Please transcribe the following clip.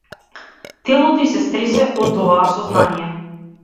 Телото ѝ се стресе од оваа сознание.